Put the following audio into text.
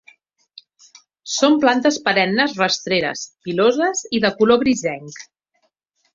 Són plantes perennes rastreres, piloses i de color grisenc.